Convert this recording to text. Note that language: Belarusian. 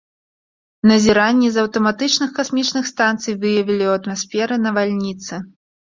Назіранні з аўтаматычных касмічных станцый выявілі ў атмасферы навальніцы.